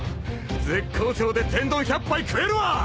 絶好調で天丼１００杯食えるわ！